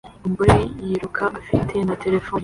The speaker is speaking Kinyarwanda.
Umugore yiruka afite na terefone